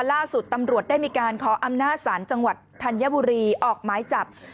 ล่าสุดตำรวจได้มีการขออำนาจศาลจังหวัดธัญบุรีออกไม้จับ